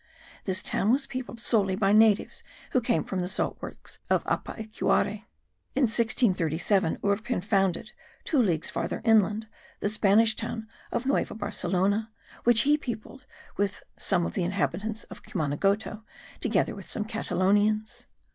This town was peopled solely by natives who came from the saltworks of Apaicuare. In 1637 Urpin founded, two leagues farther inland, the Spanish town of Nueva Barcelona, which he peopled with some of the inhabitants of Cumanagoto, together with some Catalonians.